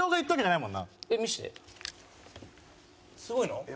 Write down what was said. すごいの？